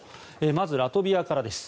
まず、ラトビアからです。